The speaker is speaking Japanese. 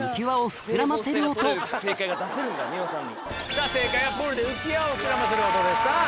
さぁ正解はプールで浮輪を膨らませる音でした。